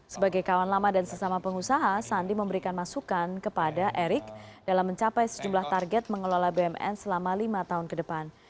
sebagai kawan lama dan sesama pengusaha sandi memberikan masukan kepada erick dalam mencapai sejumlah target mengelola bumn selama lima tahun ke depan